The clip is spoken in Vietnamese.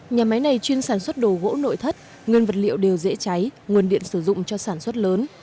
nhà máy này chuyên sản xuất đồ gỗ nội thất nguyên vật liệu đều dễ cháy nguồn điện sử dụng cho sản xuất lớn